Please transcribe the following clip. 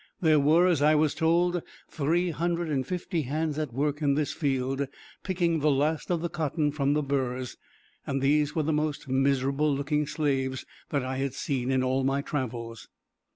There were, as I was told, three hundred and fifty hands at work in this field, picking the last of the cotton from the burs; and these were the most miserable looking slaves that I had seen in all my travels.